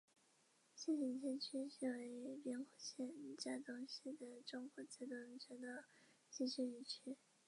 社停车区是位于兵库县加东市的中国自动车道之休息区。